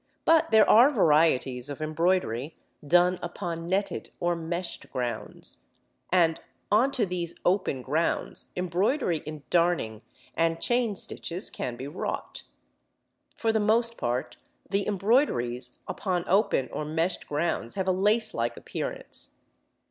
But there are varieties of embroidery done upon netted or meshed grounds. And on to these open grounds, embroidery in darning and chain stitches can be wrought. For the most part the embroideries upon open or meshed grounds have a lace like appearance.